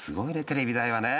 テレビ台はね。